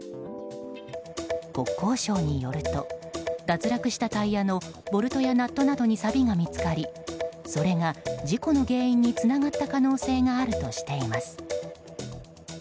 国交省によると脱落したタイヤのボルトやナットなどに、さびが見つかりそれが事故の原因につながった可能性があるとしています。